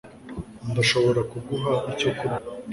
ndashobora kuguha icyo kurya